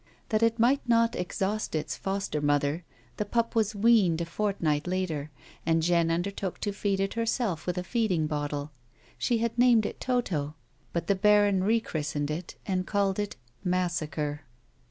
That it might not exhaust its foster mother the pup was weaned a fortnight later, and Jeanne undertook to feed it herself with a feeding bottle ; she had named it Toto, but the baron rechristened it, and called it Massacre.